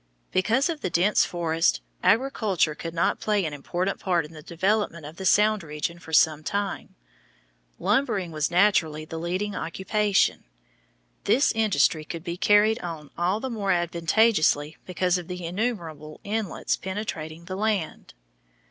Because of the dense forests, agriculture could not play an important part in the development of the sound region for some time. Lumbering was naturally the leading occupation. This industry could be carried on all the more advantageously because of the innumerable inlets penetrating the land.